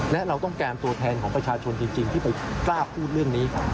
และเราต้องการตัวแทนของประชาชนจริงที่ไปกล้าพูดเรื่องนี้